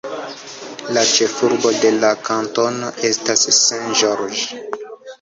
La ĉefurbo de la kantono estas St. George.